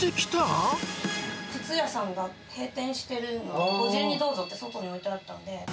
靴屋さんが閉店してるの、ご自由にどうぞって外に置いてあったんで。